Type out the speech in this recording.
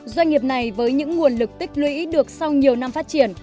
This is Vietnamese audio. doanh nghiệp này với những nguồn lực tích lũy được sau nhiều năm phát triển